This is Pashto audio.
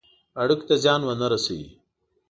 اړېکو ته زیان ونه رسوي.